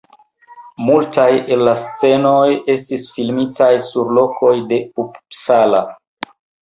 Multaj el la scenoj estis filmitaj sur lokoj de Uppsala.